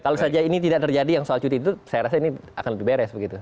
kalau saja ini tidak terjadi yang soal cuti itu saya rasa ini akan lebih beres begitu